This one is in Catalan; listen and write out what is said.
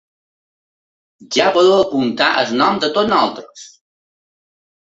Ja podeu apuntar el nom de totes nosaltres!